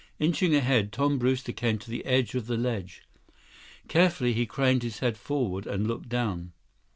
Inching ahead, Tom Brewster came to the edge of the ledge. Carefully, he craned his head forward and looked down.